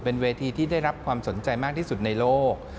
เป็นเวทีที่ได้รับความสนใจมากที่สุดในโลก